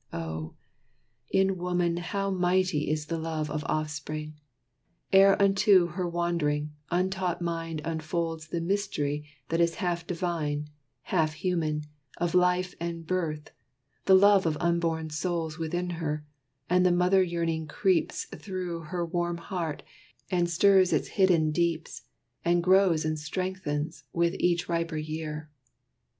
Oh, in woman How mighty is the love of offspring! Ere Unto her wond'ring, untaught mind unfolds The myst'ry that is half divine, half human, Of life and birth, the love of unborn souls Within her, and the mother yearning creeps Through her warm heart, and stirs its hidden deeps, And grows and strengthens with each riper year.